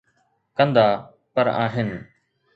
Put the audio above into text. ڪندا 'پر آهن.